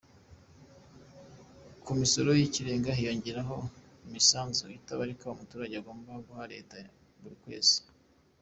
Ku misoro y’ikirenga hiyongeraho imisanzu itabarika umuturage agomba guha Leta buri kwezi.